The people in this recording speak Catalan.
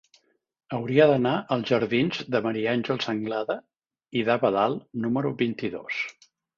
Hauria d'anar als jardins de Maria Àngels Anglada i d'Abadal número vint-i-dos.